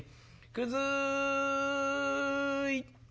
「くずい」。